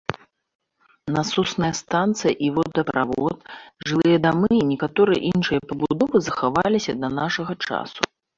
Насосная станцыя і водаправод, жылыя дамы і некаторыя іншыя пабудовы захаваліся да нашага часу.